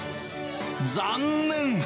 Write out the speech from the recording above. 残念！